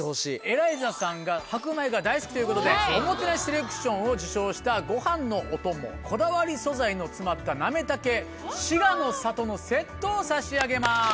エライザさんが白米が大好きということでおもてなしセレクションを受賞したご飯のお供こだわり素材の詰まったなめたけ志賀の郷のセットを差し上げます。